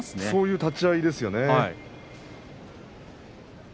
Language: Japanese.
そういう立ち合いですよね。